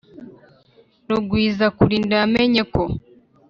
rugwizakurinda yamenye ko